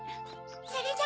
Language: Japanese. それじゃ。